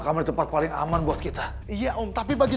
jangan lupa like share dan subscribe ya